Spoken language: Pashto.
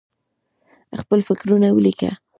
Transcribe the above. خپل فکرونه ولیکه.